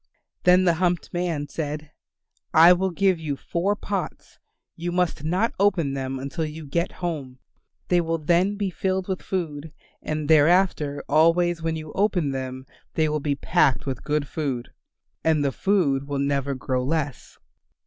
Then the humped man said, "I will give you four pots. You must not open them until you get home. They will then be filled with food, and thereafter always when you open them they will be packed with good food. And the food will never grow less."